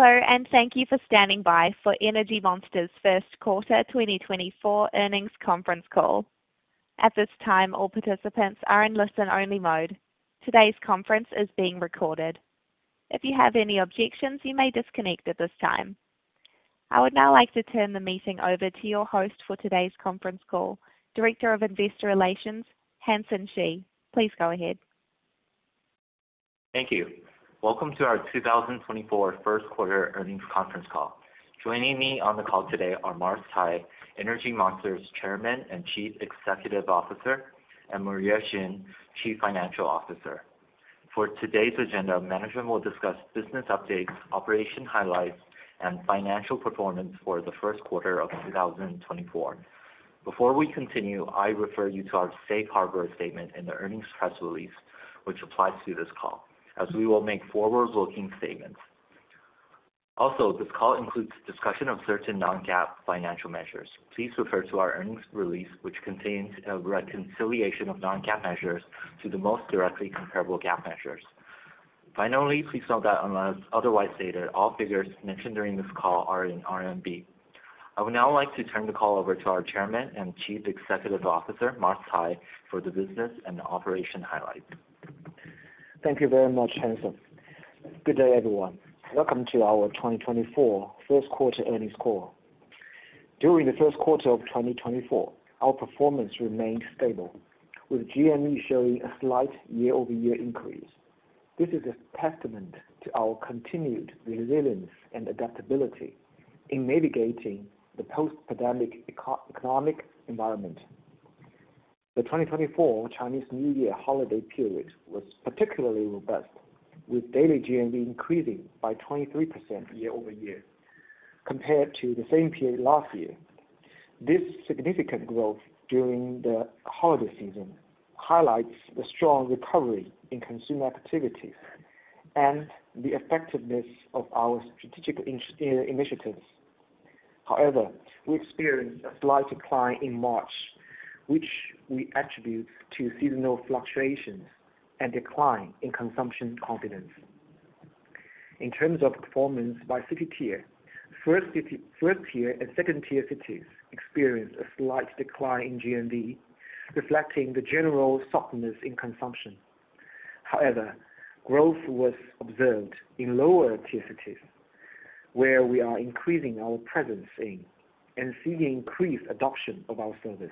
Hello, and thank you for standing by for Energy Monster's First Quarter 2024 earnings conference call. At this time, all participants are in listen-only mode. Today's conference is being recorded. If you have any objections, you may disconnect at this time. I would now like to turn the meeting over to your host for today's conference call, Director of Investor Relations, Hansen Shi. Please go ahead. Thank you. Welcome to our 2024 First Quarter Earnings Conference Call. Joining me on the call today are Mars Cai, Energy Monster's Chairman and Chief Executive Officer, and Maria Xin, Chief Financial Officer. For today's agenda, management will discuss business updates, operation highlights, and financial performance for the first quarter of 2024. Before we continue, I refer you to our safe harbor statement in the earnings press release, which applies to this call, as we will make forward-looking statements. Also, this call includes discussion of certain non-GAAP financial measures. Please refer to our earnings release, which contains a reconciliation of non-GAAP measures to the most directly comparable GAAP measures. Finally, please note that unless otherwise stated, all figures mentioned during this call are in RMB. I would now like to turn the call over to our Chairman and Chief Executive Officer, Mars Cai, for the business and the operation highlights. Thank you very much, Hansen. Good day, everyone. Welcome to our 2024 First Quarter Earnings Call. During the first quarter of 2024, our performance remained stable, with GMV showing a slight year-over-year increase. This is a testament to our continued resilience and adaptability in navigating the post-pandemic economic environment. The 2024 Chinese New Year holiday period was particularly robust, with daily GMV increasing by 23% year-over-year compared to the same period last year. This significant growth during the holiday season highlights the strong recovery in consumer activities and the effectiveness of our strategic initiatives. However, we experienced a slight decline in March, which we attribute to seasonal fluctuations and decline in consumption confidence. In terms of performance by city tier, first-tier and second-tier cities experienced a slight decline in GMV, reflecting the general softness in consumption. However, growth was observed in lower-tier cities, where we are increasing our presence in and seeing increased adoption of our service.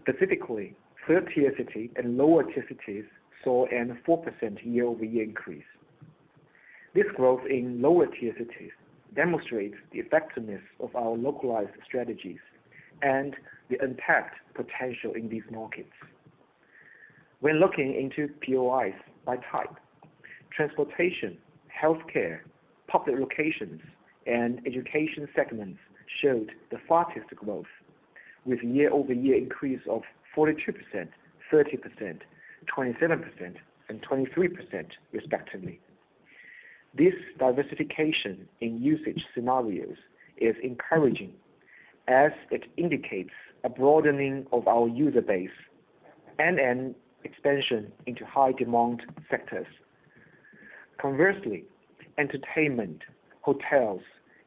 Specifically, third-tier city and lower-tier cities saw a 4% year-over-year increase. This growth in lower-tier cities demonstrates the effectiveness of our localized strategies and the untapped potential in these markets. When looking into POIs by type, transportation, healthcare, public locations, and education segments showed the fastest growth, with year-over-year increase of 42%, 30%, 27%, and 23% respectively. This diversification in usage scenarios is encouraging, as it indicates a broadening of our user base and an expansion into high-demand sectors. Conversely, entertainment, hotels,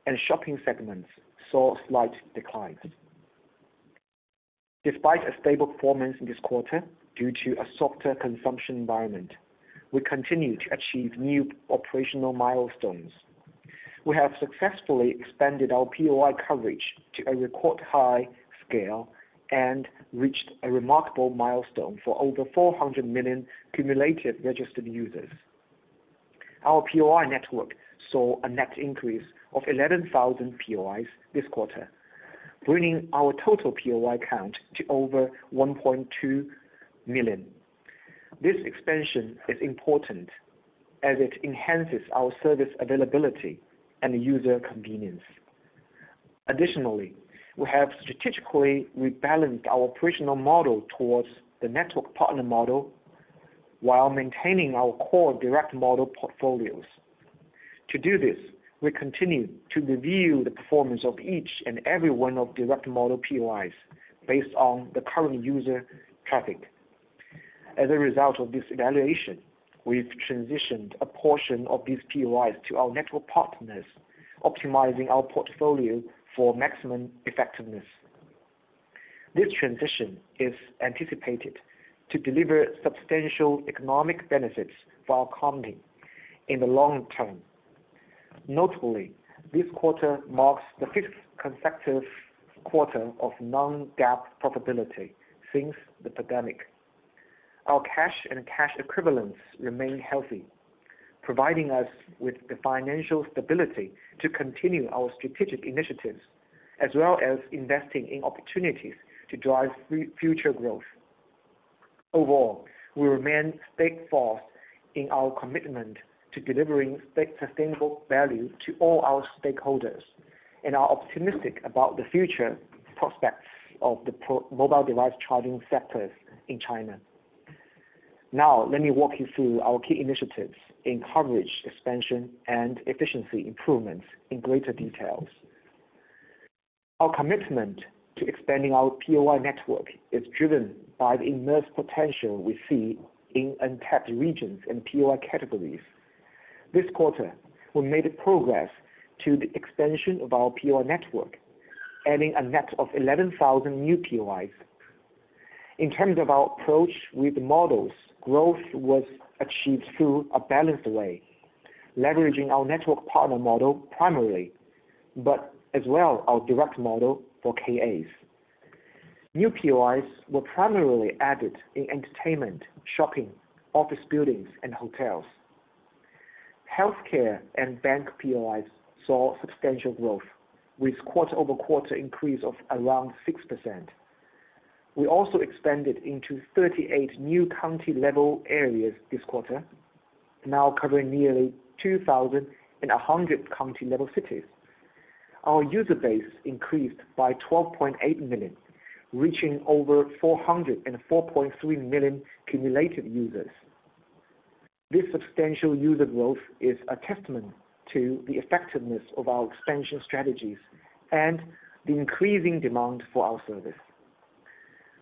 and shopping segments saw slight declines. Despite a stable performance in this quarter due to a softer consumption environment, we continue to achieve new operational milestones. We have successfully expanded our POI coverage to a record-high scale and reached a remarkable milestone for over 400 million cumulative registered users. Our POI network saw a net increase of 11,000 POIs this quarter, bringing our total POI count to over 1.2 million. This expansion is important as it enhances our service availability and user convenience. Additionally, we have strategically rebalanced our operational model towards the network partner model while maintaining our core direct model portfolios. To do this, we continue to review the performance of each and every one of direct model POIs based on the current user traffic. As a result of this evaluation, we've transitioned a portion of these POIs to our network partners, optimizing our portfolio for maximum effectiveness. This transition is anticipated to deliver substantial economic benefits for our company in the long term. Notably, this quarter marks the fifth consecutive quarter of non-GAAP profitability since the pandemic. Our cash and cash equivalents remain healthy, providing us with the financial stability to continue our strategic initiatives, as well as investing in opportunities to drive future growth. Overall, we remain steadfast in our commitment to delivering sustainable value to all our stakeholders and are optimistic about the future prospects of the mobile device charging sectors in China. Now, let me walk you through our key initiatives in coverage, expansion, and efficiency improvements in greater details. Our commitment to expanding our POI network is driven by the immense potential we see in untapped regions and POI categories. This quarter, we made a progress to the expansion of our POI network, adding a net of 11,000 new POIs. In terms of our approach with the models, growth was achieved through a balanced way, leveraging our network partner model primarily, but as well, our direct model for KAs. New POIs were primarily added in entertainment, shopping, office buildings, and hotels. Healthcare and bank POIs saw substantial growth, with quarter-over-quarter increase of around 6%. We also expanded into 38 new county-level areas this quarter, now covering nearly 2,100 county-level cities. Our user base increased by 12.8 million, reaching over 404.3 million cumulative users. This substantial user growth is a testament to the effectiveness of our expansion strategies and the increasing demand for our service.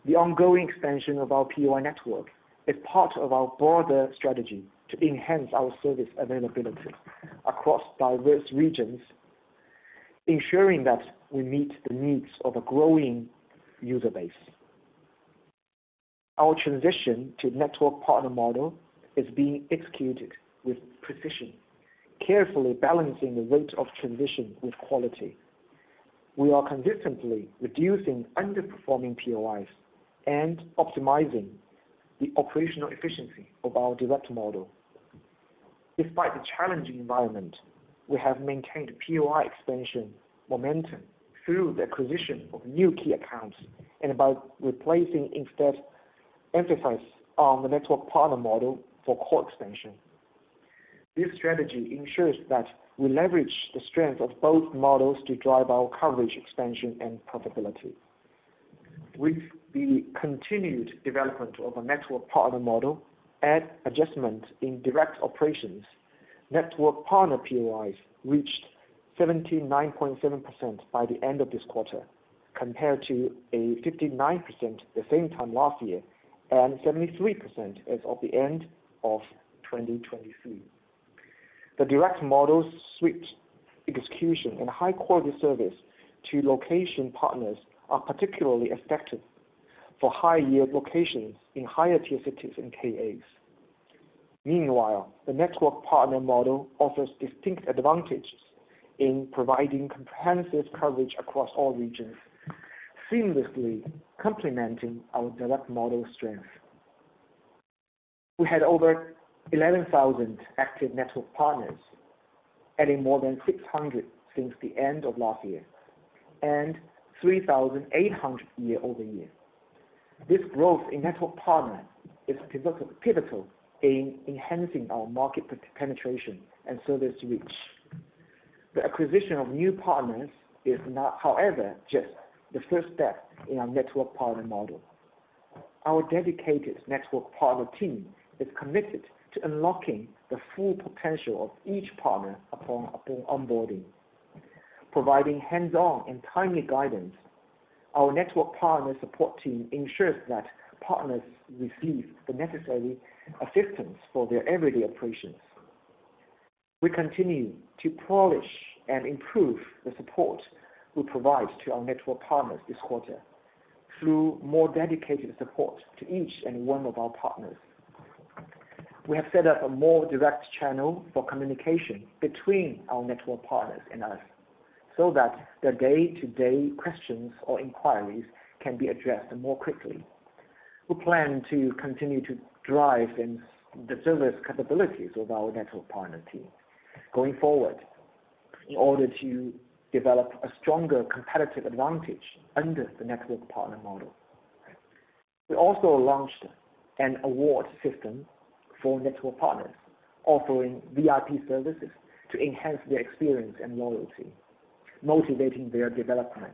The ongoing expansion of our POI network is part of our broader strategy to enhance our service availability across diverse regions, ensuring that we meet the needs of a growing user base. Our transition to network partner model is being executed with precision, carefully balancing the rate of transition with quality. We are consistently reducing underperforming POIs and optimizing the operational efficiency of our direct model. Despite the challenging environment, we have maintained POI expansion momentum through the acquisition of new key accounts and by replacing instead, emphasize on the network partner model for core expansion. This strategy ensures that we leverage the strength of both models to drive our coverage, expansion, and profitability. With the continued development of a network partner model and adjustment in direct operations, network partner POIs reached 79.7% by the end of this quarter, compared to a 59% the same time last year, and 73% as of the end of 2023. The direct model suite execution and high-quality service to location partners are particularly effective for high-yield locations in higher-tier cities and KAs. Meanwhile, the network partner model offers distinct advantages in providing comprehensive coverage across all regions, seamlessly complementing our direct model strength. We had over 11,000 active network partners, adding more than 600 since the end of last year, and 3,800 year-over-year. This growth in network partner is pivotal in enhancing our market penetration and service reach. The acquisition of new partners is not, however, just the first step in our network partner model. Our dedicated network partner team is committed to unlocking the full potential of each partner upon onboarding. Providing hands-on and timely guidance, our network partner support team ensures that partners receive the necessary assistance for their everyday operations. We continue to polish and improve the support we provide to our network partners this quarter through more dedicated support to each and one of our partners. We have set up a more direct channel for communication between our network partners and us, so that their day-to-day questions or inquiries can be addressed more quickly. We plan to continue to drive in the service capabilities of our network partner team going forward, in order to develop a stronger competitive advantage under the network partner model. We also launched an award system for network partners, offering VIP services to enhance their experience and loyalty, motivating their development.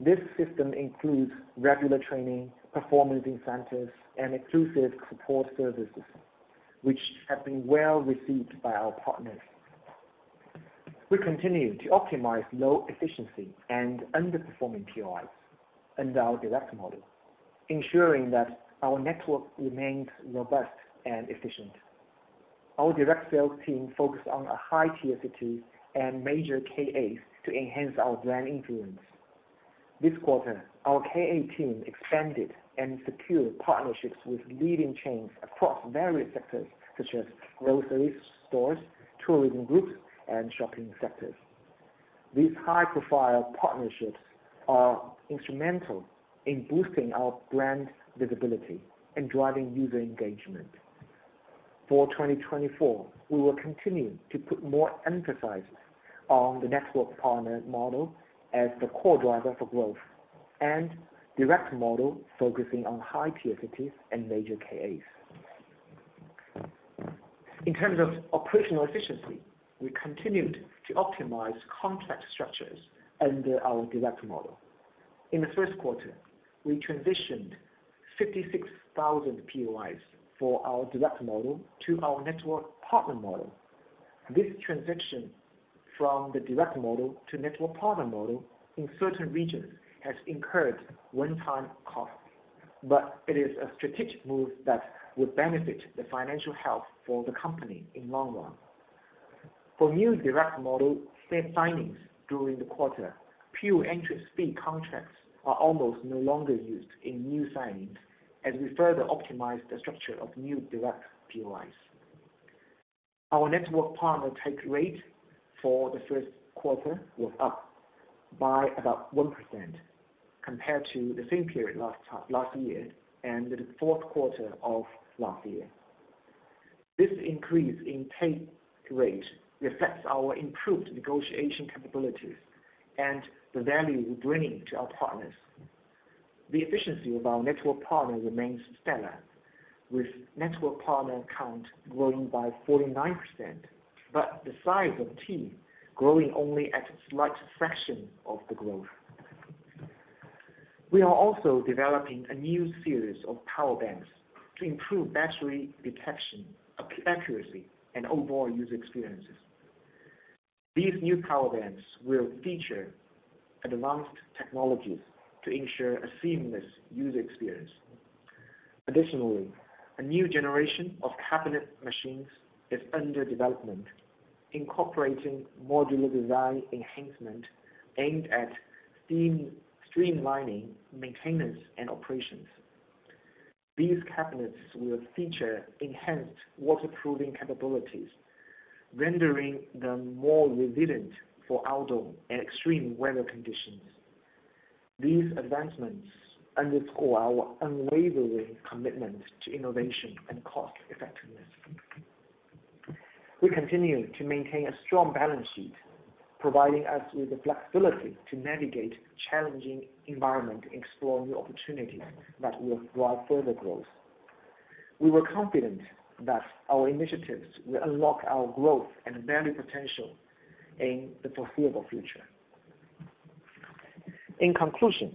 This system includes regular training, performance incentives, and exclusive support services, which have been well-received by our partners. We continue to optimize low efficiency and underperforming POIs under our direct model, ensuring that our network remains robust and efficient. Our direct sales team focus on a high-tier city and major KAs to enhance our brand influence. This quarter, our KA team expanded and secured partnerships with leading chains across various sectors such as grocery stores, tourism groups, and shopping sectors. These high-profile partnerships are instrumental in boosting our brand visibility and driving user engagement. For 2024, we will continue to put more emphasis on the network partner model as the core driver for growth and direct model, focusing on high-tier cities and major KAs. In terms of operational efficiency, we continued to optimize contract structures under our direct model. In the first quarter, we transitioned 66,000 POIs for our direct model to our network partner model. This transition from the direct model to network partner model in certain regions has incurred one-time cost, but it is a strategic move that will benefit the financial health for the company in long run. For new direct model, site signings during the quarter, pure entry fee contracts are almost no longer used in new signings as we further optimize the structure of new direct POIs. Our network partner take rate for the first quarter was up by about 1% compared to the same period last year and the fourth quarter of last year. This increase in take rate reflects our improved negotiation capabilities and the value we're bringing to our partners. The efficiency of our network partner remains stellar, with network partner count growing by 49%, but the size of team growing only at a slight fraction of the growth. We are also developing a new series of power banks to improve battery detection, accuracy, and overall user experiences. These new power banks will feature advanced technologies to ensure a seamless user experience. Additionally, a new generation of cabinet machines is under development, incorporating modular design enhancement aimed at streamlining maintenance and operations. These cabinets will feature enhanced waterproofing capabilities, rendering them more resilient for outdoor and extreme weather conditions. These advancements underscore our unwavering commitment to innovation and cost effectiveness. We continue to maintain a strong balance sheet, providing us with the flexibility to navigate challenging environment and explore new opportunities that will drive further growth. We were confident that our initiatives will unlock our growth and value potential in the foreseeable future. In conclusion,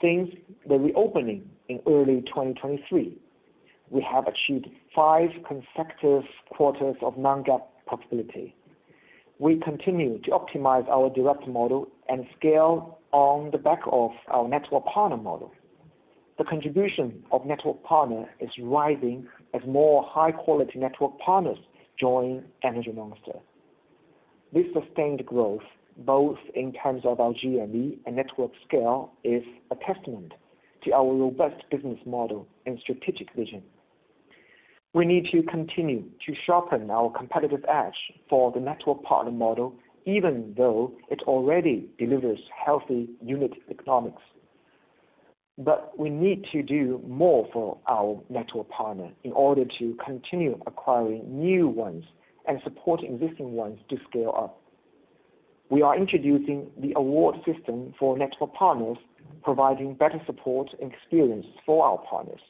since the reopening in early 2023, we have achieved five consecutive quarters of non-GAAP profitability. We continue to optimize our direct model and scale on the back of our network partner model. The contribution of network partner is rising as more high-quality network partners join Energy Monster. This sustained growth, both in terms of our GMV and network scale, is a testament to our robust business model and strategic vision. We need to continue to sharpen our competitive edge for the network partner model, even though it already delivers healthy unit economics. But we need to do more for our network partner in order to continue acquiring new ones and support existing ones to scale up. We are introducing the award system for network partners, providing better support and experience for our partners.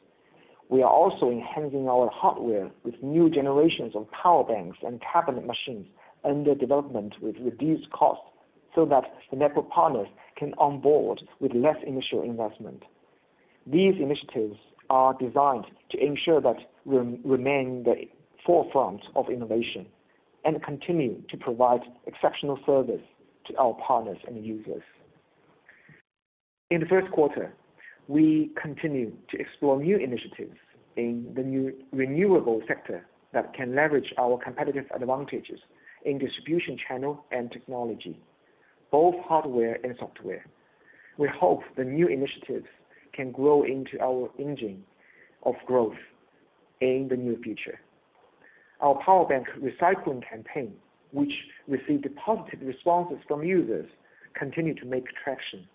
We are also enhancing our hardware with new generations of power banks and cabinet machines under development with reduced costs, so that the network partners can onboard with less initial investment. These initiatives are designed to ensure that we remain the forefront of innovation and continue to provide exceptional service to our partners and users. In the first quarter, we continued to explore new initiatives in the new renewable sector that can leverage our competitive advantages in distribution channel and technology, both hardware and software. We hope the new initiatives can grow into our engine of growth in the near future. Our power bank recycling campaign, which received positive responses from users, continued to make traction.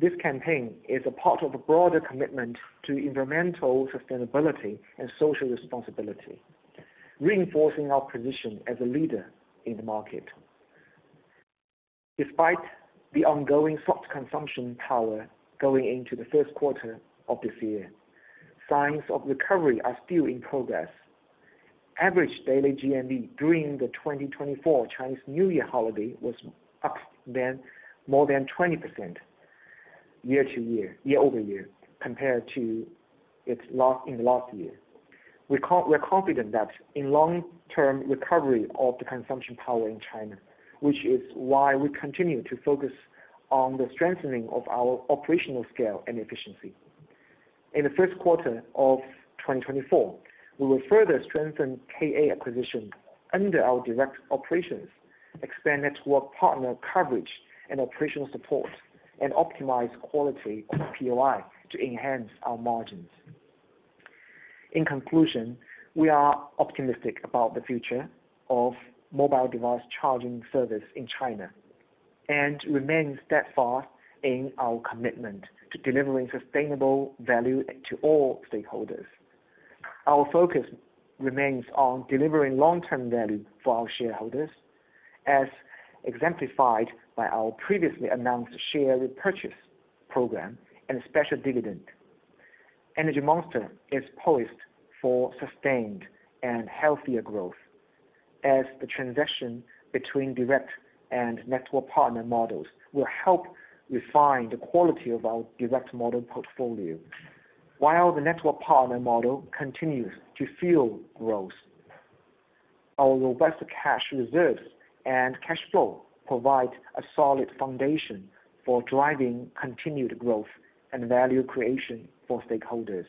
This campaign is a part of a broader commitment to environmental sustainability and social responsibility, reinforcing our position as a leader in the market. Despite the ongoing soft consumption power going into the first quarter of this year, signs of recovery are still in progress. Average daily GMV during the 2024 Chinese New Year holiday was up more than 20% year-over-year, compared to its last, in the last year. We're confident that in long-term recovery of the consumption power in China, which is why we continue to focus on the strengthening of our operational scale and efficiency. In the first quarter of 2024, we will further strengthen KA acquisition under our direct operations, expand network partner coverage and operational support, and optimize quality POI to enhance our margins. In conclusion, we are optimistic about the future of mobile device charging service in China, and remain steadfast in our commitment to delivering sustainable value to all stakeholders. Our focus remains on delivering long-term value for our shareholders, as exemplified by our previously announced share repurchase program and special dividend. Energy Monster is poised for sustained and healthier growth, as the transition between direct and network partner models will help refine the quality of our direct model portfolio. While the network partner model continues to fuel growth, our robust cash reserves and cash flow provide a solid foundation for driving continued growth and value creation for stakeholders,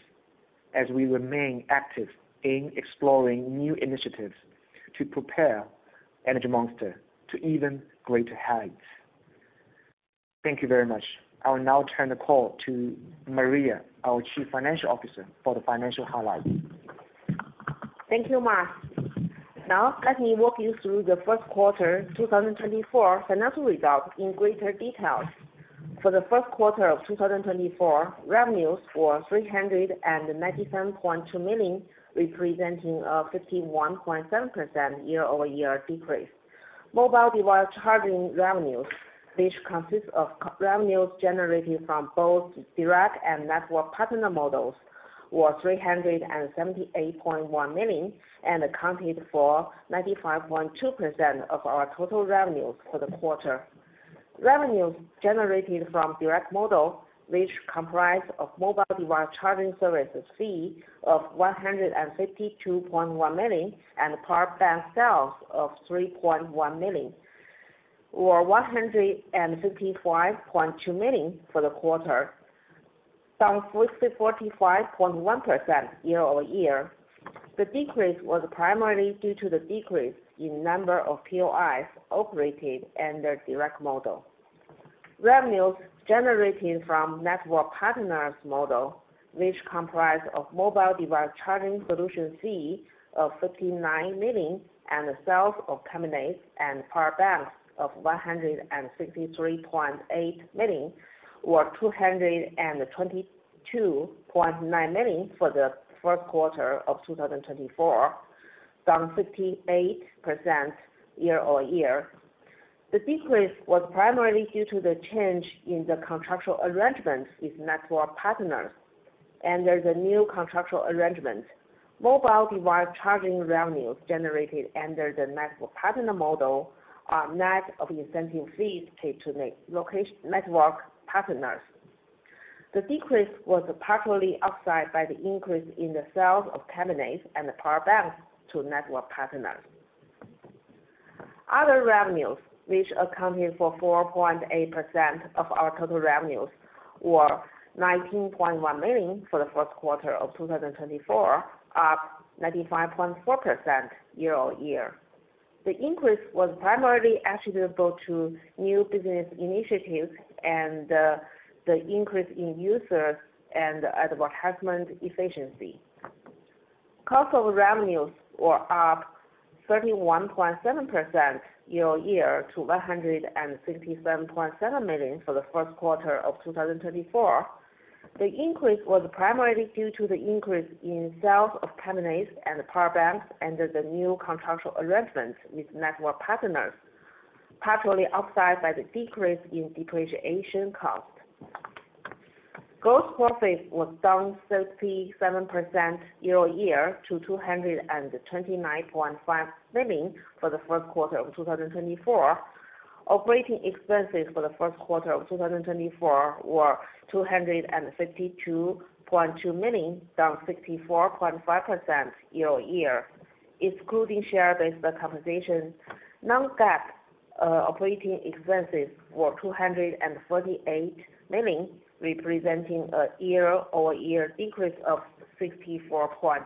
as we remain active in exploring new initiatives to prepare Energy Monster to even greater heights. Thank you very much. I will now turn the call to Maria, our Chief Financial Officer, for the financial highlights. Thank you, Mars. Now let me walk you through the first quarter, 2024 financial results in greater details. For the first quarter of 2024, revenues were 397.2 million, representing a 51.7% year-over-year decrease. Mobile device charging revenues, which consists of revenues generated from both direct and network partner models, were 378.1 million, and accounted for 95.2% of our total revenues for the quarter. Revenues generated from direct model, which comprise of mobile device charging services fee of 152.1 million, and power bank sales of 3.1 million, were 155.2 million for the quarter, down 45.1% year-over-year. The decrease was primarily due to the decrease in number of POIs operating under direct model. Revenue generating from network partners model, which comprise of mobile device charging solution fee of 59 million, and the sales of cabinets and power banks of 163.8 million, were 222.9 million for the first quarter of 2024, down 58% year-over-year. The decrease was primarily due to the change in the contractual arrangement with network partners. Under the new contractual arrangement, mobile device charging revenues generated under the network partner model are net of incentive fees paid to network partners. The decrease was partially offset by the increase in the sales of cabinets and the power banks to network partners. Other revenues, which accounted for 4.8% of our total revenues, were 19.1 million for the first quarter of 2024, up 95.4% year-over-year. The increase was primarily attributable to new business initiatives and the increase in users and advertisement efficiency. Cost of revenues were up 31.7% year-over-year to 167.7 million for the first quarter of 2024. The increase was primarily due to the increase in sales of cabinets and power banks under the new contractual arrangement with network partners, partially offset by the decrease in depreciation cost. Gross profit was down 37% year-over-year to 229.5 million for the first quarter of 2024. Operating expenses for the first quarter of 2024 were 252.2 million, down 64.5% year-over-year, excluding share-based compensation. Non-GAAP operating expenses were 248 million, representing a year-over-year increase of 64.8%.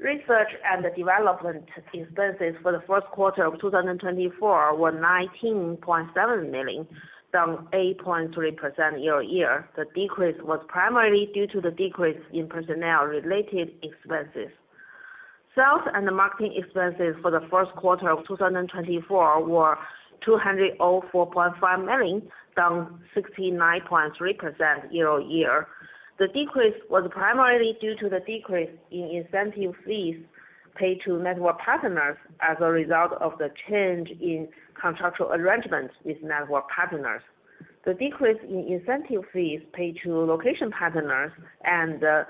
Research and development expenses for the first quarter of 2024 were 19.7 million, down 8.3% year-over-year. The decrease was primarily due to the decrease in personnel-related expenses. Sales and marketing expenses for the first quarter of 2024 were 204.5 million, down 69.3% year-over-year. The decrease was primarily due to the decrease in incentive fees paid to network partners as a result of the change in contractual arrangement with network partners. The decrease in incentive fees paid to location partners and the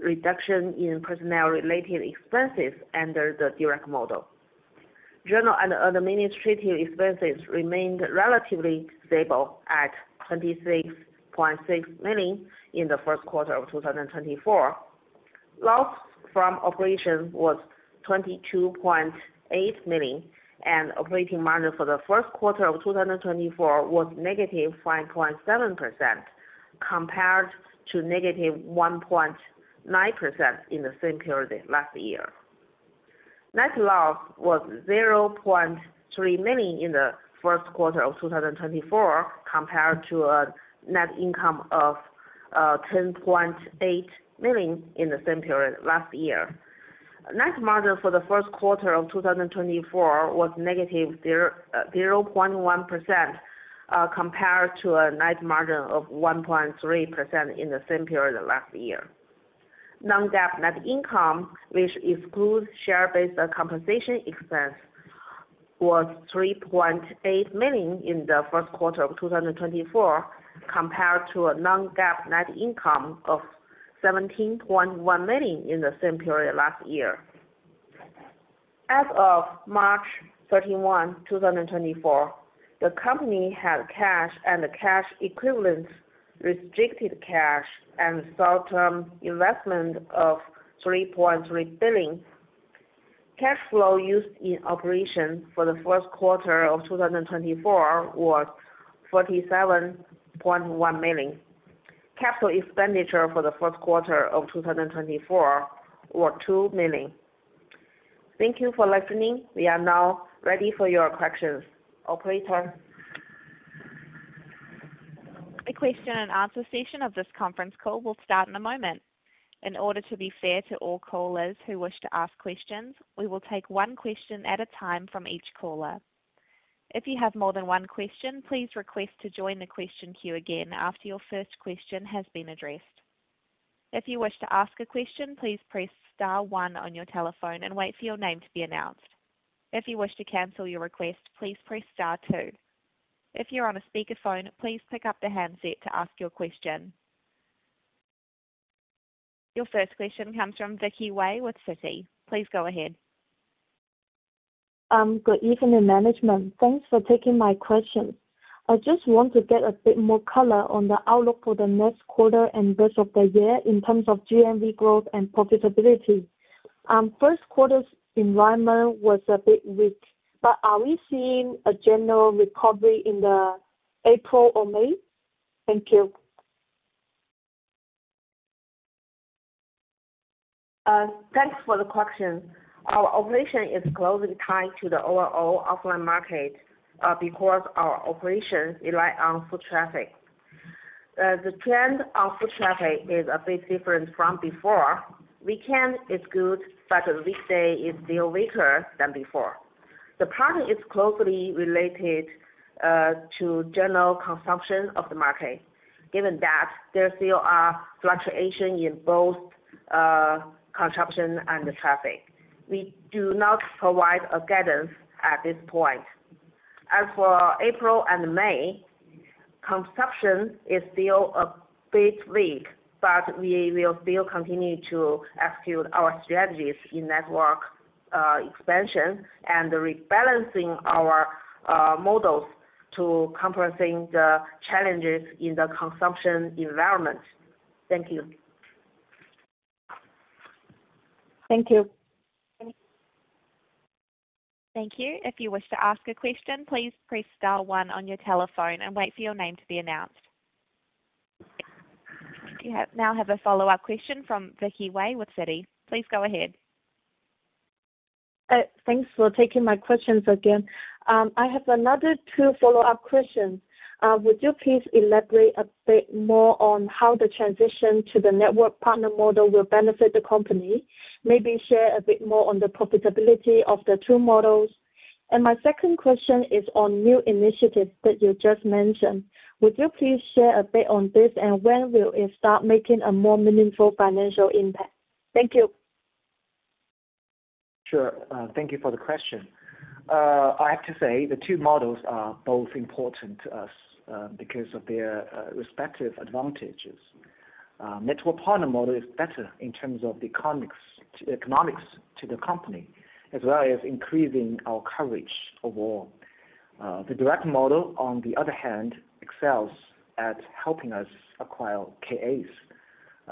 reduction in personnel-related expenses under the direct model. General and administrative expenses remained relatively stable at 26.6 million in the first quarter of 2024. Loss from operation was 22.8 million, and operating margin for the first quarter of 2024 was -5.7%, compared to -1.9% in the same period last year. Net loss was 0.3 million in the first quarter of 2024, compared to a net income of 10.8 million in the same period last year. Net margin for the first quarter of 2024 was -0.1%, compared to a net margin of 1.3% in the same period last year. Non-GAAP net income, which excludes share-based compensation expense, was 3.8 million in the first quarter of 2024, compared to a non-GAAP net income of 17.1 million in the same period last year. As of March 31, 2024, the company had cash and cash equivalents, restricted cash and short-term investment of 3.3 billion. Cash flow used in operation for the first quarter of 2024 was 47.1 million. Capital expenditure for the first quarter of 2024 were 2 million. Thank you for listening. We are now ready for your questions. Operator? The question and answer session of this conference call will start in a moment. In order to be fair to all callers who wish to ask questions, we will take one question at a time from each caller. If you have more than one question, please request to join the question queue again after your first question has been addressed. If you wish to ask a question, please press star one on your telephone and wait for your name to be announced. If you wish to cancel your request, please press star two. If you're on a speakerphone, please pick up the handset to ask your question. Your first question comes from Vicky Wei with Citi. Please go ahead. Good evening, management. Thanks for taking my question. I just want to get a bit more color on the outlook for the next quarter and rest of the year in terms of GMV growth and profitability. First quarter's environment was a bit weak, but are we seeing a general recovery in April or May? Thank you. Thanks for the question. Our operation is closely tied to the overall offline market, because our operations rely on foot traffic. The trend of foot traffic is a bit different from before. Weekend is good, but weekday is still weaker than before. The problem is closely related to general consumption of the market. Given that, there still are fluctuation in both, consumption and the traffic. We do not provide a guidance at this point. As for April and May, consumption is still a bit weak, but we will still continue to execute our strategies in network expansion and rebalancing our models to encompassing the challenges in the consumption environment. Thank you. Thank you. Thank you. If you wish to ask a question, please press star one on your telephone and wait for your name to be announced. We now have a follow-up question from Vicky Wei with Citi. Please go ahead. Thanks for taking my questions again. I have another two follow-up questions. Would you please elaborate a bit more on how the transition to the network partner model will benefit the company? Maybe share a bit more on the profitability of the two models. And my second question is on new initiatives that you just mentioned. Would you please share a bit on this, and when will it start making a more meaningful financial impact? Thank you. Sure. Thank you for the question. I have to say, the two models are both important to us, because of their respective advantages. Network partner model is better in terms of the economics to the company, as well as increasing our coverage overall. The direct model, on the other hand, excels at helping us acquire KAs,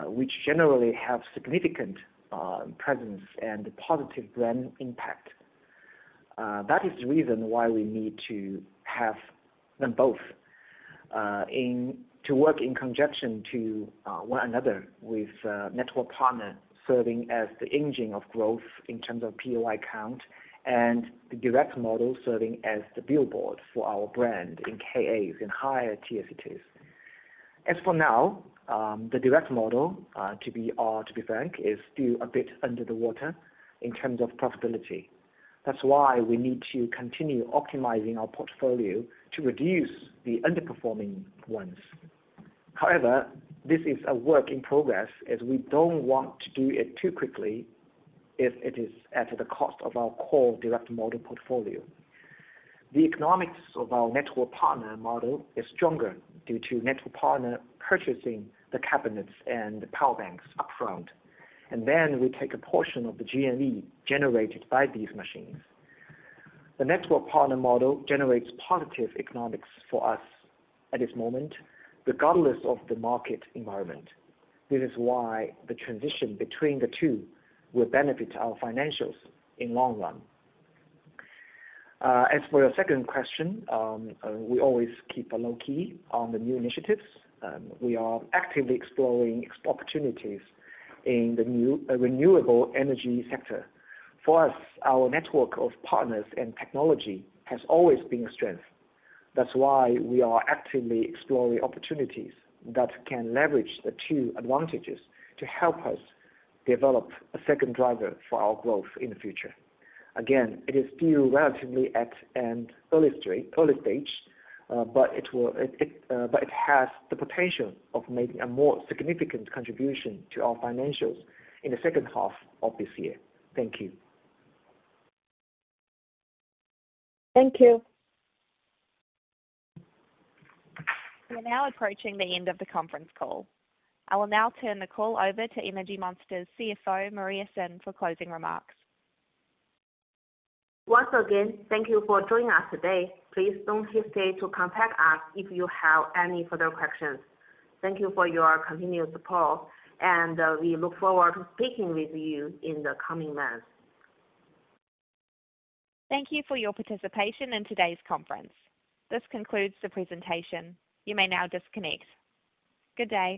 which generally have significant presence and positive brand impact. That is the reason why we need to have them both, to work in conjunction to one another, with network partner serving as the engine of growth in terms of POI count, and the direct model serving as the billboard for our brand in KAs, in higher-tier cities. As for now, the direct model, to be frank, is still a bit under the water in terms of profitability. That's why we need to continue optimizing our portfolio to reduce the underperforming ones. However, this is a work in progress, as we don't want to do it too quickly if it is at the cost of our core direct model portfolio. The economics of our network partner model is stronger due to network partner purchasing the cabinets and the power banks upfront, and then we take a portion of the GMV generated by these machines. The network partner model generates positive economics for us at this moment, regardless of the market environment. This is why the transition between the two will benefit our financials in long run. As for your second question, we always keep a low key on the new initiatives. We are actively exploring opportunities in the new renewable energy sector. For us, our network of partners and technology has always been a strength. That's why we are actively exploring opportunities that can leverage the two advantages to help us develop a second driver for our growth in the future. Again, it is still relatively at an early stage, but it has the potential of making a more significant contribution to our financials in the second half of this year. Thank you. Thank you. We are now approaching the end of the conference call. I will now turn the call over to Energy Monster's CFO, Maria Xin, for closing remarks. Once again, thank you for joining us today. Please don't hesitate to contact us if you have any further questions. Thank you for your continued support, and, we look forward to speaking with you in the coming months. Thank you for your participation in today's conference. This concludes the presentation. You may now disconnect. Good day!